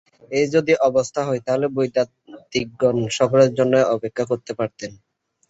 এই যদি অবস্থা হয়, তাহলে বৈদান্তিকগণ সকলের জন্যই অপেক্ষা করতে পারেন।